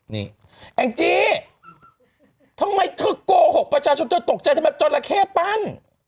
นี่แองจี้ทำไมเธอโกหกประชาชนจนตกใจทำไมจราเข้ปั้น